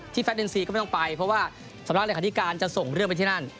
แฟนอินซีก็ไม่ต้องไปเพราะว่าสำนักเลขาธิการจะส่งเรื่องไปที่นั่น